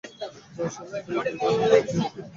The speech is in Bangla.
যা শাস্তি দেবার নিজেই দেয়।